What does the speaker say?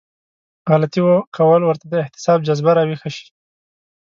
غلطي کول ورته د احتساب جذبه راويښه شي.